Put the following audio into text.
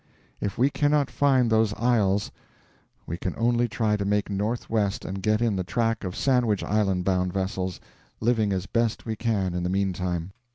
If we cannot find those isles we can only try to make north west and get in the track of Sandwich Island bound vessels, living as best we can in the meantime.